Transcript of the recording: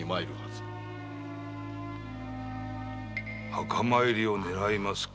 墓参りを狙いますか。